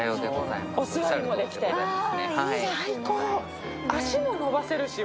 お座りもできて最高。